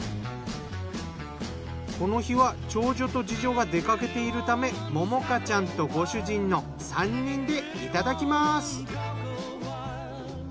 この日は長女と次女が出かけているためモモカちゃんとご主人の３人でいただきます。